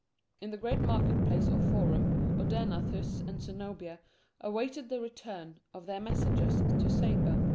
In the great market place or forum, Odaenathus and Zenobia awaited the return of their messengers to Sapor.